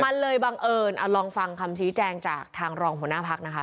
มันเลยบังเอิญลองฟังคำชี้แจงจากทางรองหัวหน้าพักนะคะ